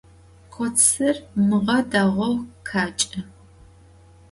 Kotsır mığe değou kheç'ı.